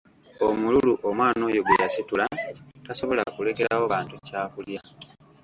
Omululu omwana oyo gwe yasitula tasobola kulekerawo bantu kyakulya.